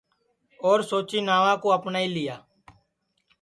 اور سوچی ناوا کُو اپنائی لیا